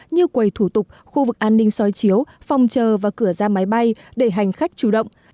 như quầy thủ tục khu vực an ninh soi chiếu phòng chờ và cửa ra máy bay để hành khách chủ động